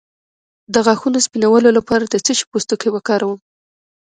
د غاښونو سپینولو لپاره د څه شي پوستکی وکاروم؟